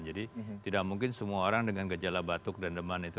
jadi tidak mungkin semua orang dengan gejala batuk dan deman itu